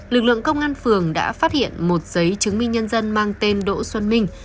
lực lượng công an phường đã phát hiện một giấy chứng minh nhân dân mang tên đỗ xuân minh